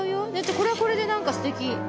これはこれでなんかすてき。